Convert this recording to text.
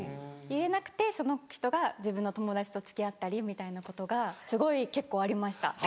言えなくてその人が自分の友達と付き合ったりみたいなことがすごい結構ありました。